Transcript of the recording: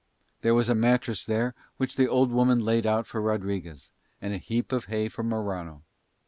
There was a mattress there which the old woman laid out for Rodriguez, and a heap of hay for Morano.